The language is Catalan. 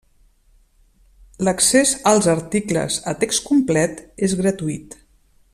L'accés als articles a text complet és gratuït.